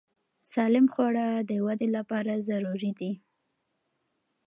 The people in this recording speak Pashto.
سالم خواړه د وده لپاره ضروري دي.